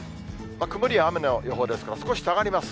曇りや雨の予報ですが、少し下がります。